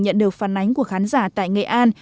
nhận được phản ánh của khán giả tại nghệ an